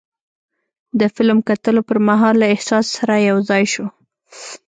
د فلم کتلو پر مهال له احساس سره یو ځای شو.